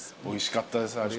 おいしかったです。